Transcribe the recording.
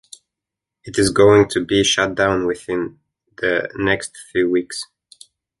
It is going to be shut down within the next few weeks.